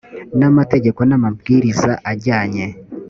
n amategeko n amabwiriza ajyanye